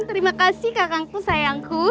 terima kasih kakangku sayangku